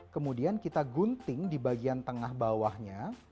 kemudian kita gunting di bagian tengah bawahnya